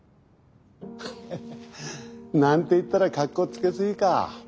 ハハハなんて言ったらかっこつけすぎか。